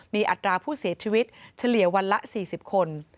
มีอัตราผู้เสียชีวิตเฉลี่ยวันละ๔๐คน